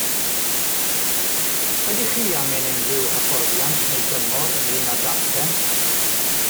Ydych chi angen unrhyw hyfforddiant neu gyngor ynglŷn â darllen?